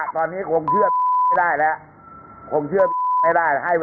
ต้องพูดอย่างนี้